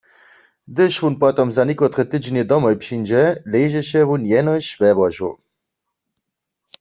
Hdyž wón potom za někotre tydźenje domoj přińdźe, ležeše wón jenož we łožu.